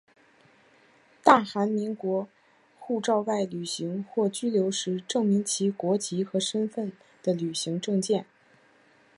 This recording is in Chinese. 大韩民国护照外旅行或居留时证明其国籍和身份的旅行证件。